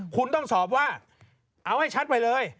คุณต้องสอบว่าเอาให้ชัดไปเลย